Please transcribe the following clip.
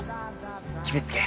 決め付け？